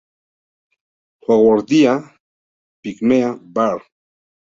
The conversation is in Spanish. Haworthia pygmaea var.